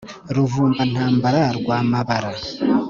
Ruvumba-ntambara rwa Mabara,